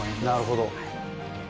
なるほど。